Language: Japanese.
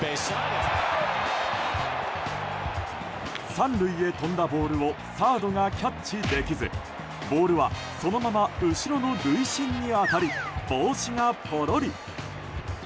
３塁へ飛んだボールをサードがキャッチできずボールはそのまま後ろの塁審に当たり帽子がポロリ。